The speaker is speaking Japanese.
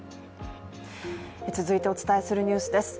続いてお伝えするニュースです。